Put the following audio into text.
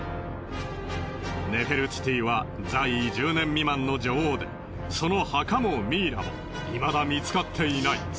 ネフェルティティは在位１０年未満の女王でその墓もミイラもいまだ見つかっていない。